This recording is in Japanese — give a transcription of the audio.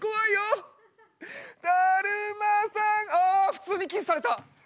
普通にキスされた。